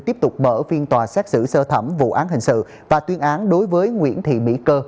tiếp tục mở phiên tòa xét xử sơ thẩm vụ án hình sự và tuyên án đối với nguyễn thị mỹ cơ